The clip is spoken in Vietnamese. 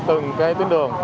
từng tuyến đường